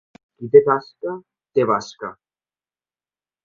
Qui té tasca, té basca.